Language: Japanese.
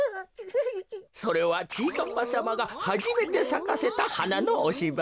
それはちぃかっぱさまがはじめてさかせたはなのおしばな。